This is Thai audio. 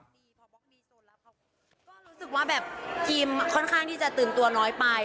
ก็รู้สึกว่าแบบทีมค่อนข้างที่จะตื่นตัวน้อยไป